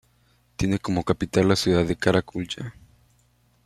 Tiene como capital la ciudad de Kara-Kulja.